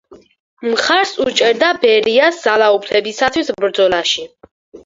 მხარს უჭერდა ბერიას ძალაუფლებისათვის ბრძოლაში.